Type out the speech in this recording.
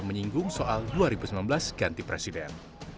menyinggung soal dua ribu sembilan belas ganti presiden